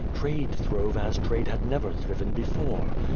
Trade throve as trade had never thriven before.